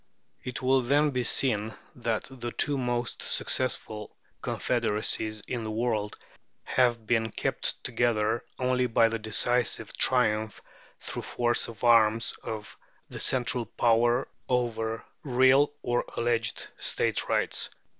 It will then be seen that the two most successful confederacies in the world have been kept together only by the decisive triumph through force of arms of the central power over real or alleged State rights" (p.